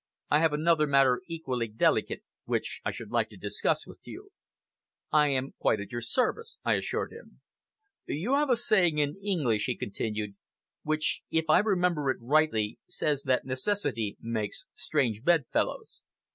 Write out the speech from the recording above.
I have another matter, equally delicate, which I should like to discuss with you." "I am quite at your service," I assured him. "You have a saying in English," he continued, "which, if I remember it rightly, says that necessity makes strange bedfellows.